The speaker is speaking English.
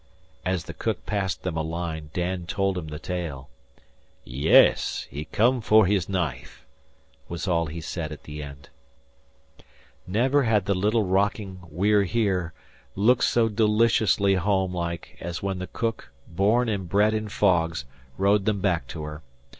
As the cook passed them a line, Dan told him the tale. "Yess! He come for hiss knife," was all he said at the end. Never had the little rocking We're Here looked so deliciously home like as when the cook, born and bred in fogs, rowed them back to her.